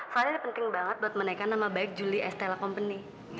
file ini penting banget buat menaikkan nama baik julie estella company